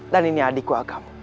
dan ini adikku agam